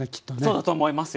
そうだと思いますよ。